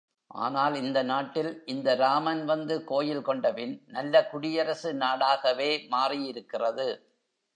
ஆனால் இந்த நாட்டில் இந்த ராமன் வந்து கோயில் கொண்டபின், நல்ல குடியரசு நாடாகவே மாறியிருக்கிறது.